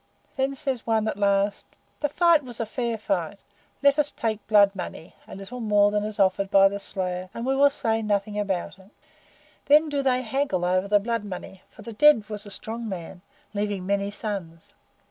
Then says one, at last, 'The fight was a fair fight. Let us take blood money, a little more than is offered by the slayer, and we will say no more about it.' Then do they haggle over the blood money, for the dead was a strong man, leaving many sons.